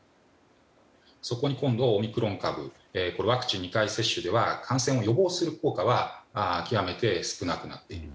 そこに今度はオミクロン株これはワクチン２回接種では感染を予防する効果は極めて少なくなっている。